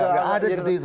nggak ada seperti itu